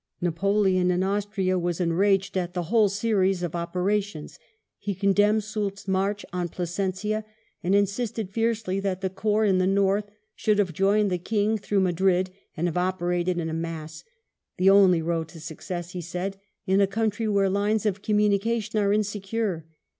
Napoleon, in Austria, was enraged at the whole series of operations. He condemned Soult's march on Plasencia, and insisted fiercely that the corps in the north should have joined the Eing through Madrid and have operated in a mass — the only road to success, he said, in a country where lines of communication are insecure.